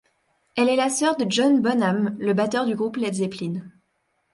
Elle est la sœur de John Bonham, le batteur du groupe Led Zeppelin.